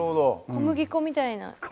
小麦粉みたいななんか。